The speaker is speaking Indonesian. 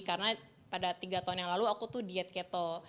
karena pada tiga tahun yang lalu aku diet keto